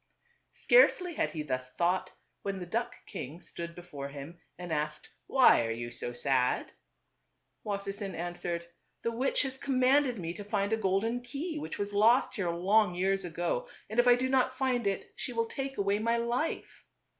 Scarcely had he thus thought, when the duck king stood before him and asked, "Why are you so sad ?" Wassersein answered, " The witch has com manded me to find a golden key which was lost here long years ago, and if I do not find it, she will take away my life."